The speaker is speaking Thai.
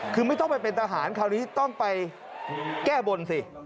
คือไม่ต้องไปเป็นทหารคราวนี้ต้องไปแก้บนสิ